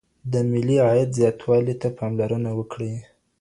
د ملي عايد زياتوالي ته پاملرنه وکړئ.